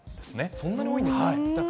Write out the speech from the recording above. そんなに多いんですか。